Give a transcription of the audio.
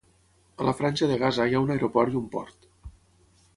A la Franja de Gaza hi ha un aeroport i un port.